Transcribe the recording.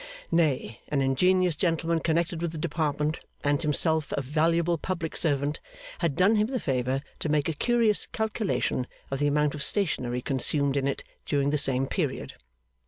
Nay, an ingenious gentleman connected with the Department, and himself a valuable public servant, had done him the favour to make a curious calculation of the amount of stationery consumed in it during the same period.